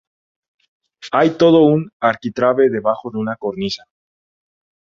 Hay todo un arquitrabe debajo de una cornisa.